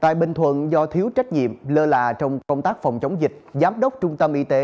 tại bình thuận do thiếu trách nhiệm lơ là trong công tác phòng chống dịch giám đốc trung tâm y tế